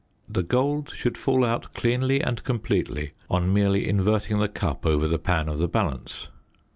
The gold should fall out cleanly and completely on merely inverting the cup over the pan of the balance.